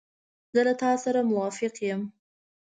زه له تا سره موافق یم.